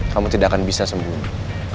kamu tidak akan bisa sembuh